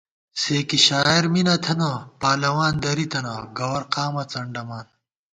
سے کی شاعر می نہ تھنہ، پالَوان درِی تَنہ، گوَر قامہ څنڈَمان